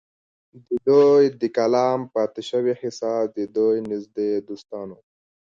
د دوي د کلام پاتې شوې حصه د دوي نزدې دوستانو